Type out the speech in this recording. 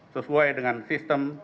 sesuai dengan sistem